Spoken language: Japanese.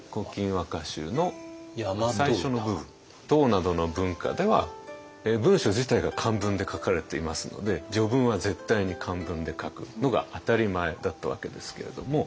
唐などの文化では文書自体が漢文で書かれていますので序文は絶対に漢文で書くのが当たり前だったわけですけれども。